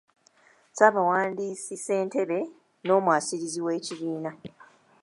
"Ssaabawandiisi, Ssentebe n'Omwasirizi w’Ekibiina."